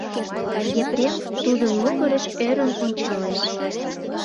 Епрем тудын могырыш ӧрын ончалеш.